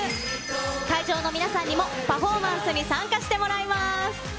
会場の皆さんにもパフォーマンスに参加してもらいます。